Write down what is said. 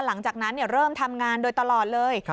หลังจากนั้นเริ่มทำงานโดยตลอดเลย